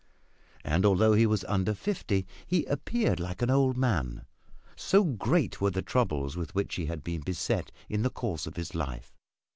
And although he was under fifty, he appeared like an old man, so great were the troubles with which he had been beset in the course of his life.